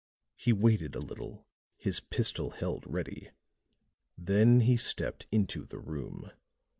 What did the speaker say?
He waited a little, his pistol held ready, then he stepped into the room.